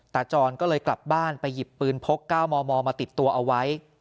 จรก็เลยกลับบ้านไปหยิบปืนพก๙มมมาติดตัวเอาไว้